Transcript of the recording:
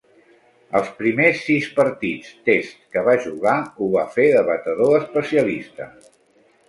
Els primers sis partits "test" que va jugar ho va fer de batedor especialista.